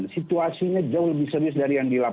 situasinya jauh lebih serius dari yang dilakukan